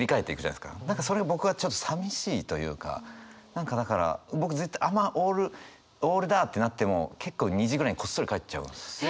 何かだから僕絶対あんまオールオールだってなっても結構２時ぐらいにこっそり帰っちゃいますね。